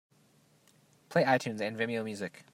Play itunes and Vimeo music